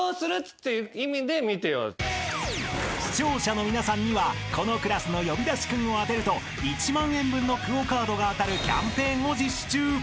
［視聴者の皆さんにはこのクラスの呼び出しクンを当てると１万円分のＱＵＯカードが当たるキャンペーンを実施中］